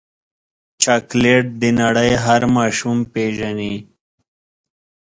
چاکلېټ د نړۍ هر ماشوم پیژني.